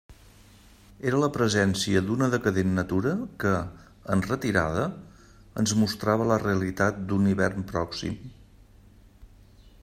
Era la presència d'una decadent natura que, en retirada, ens mostrava la realitat d'un hivern pròxim.